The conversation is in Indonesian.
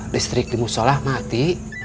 listrik di musolah mati